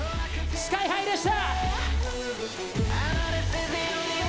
ＳＫＹ−ＨＩでした！